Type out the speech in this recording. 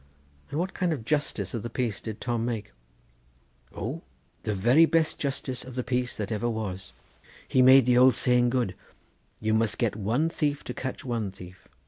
"And what kind of justice of the peace did Tom make?" "Ow, the very best justice of the peace that there ever was. He made the old saying good: you must set one thief to catch one thief.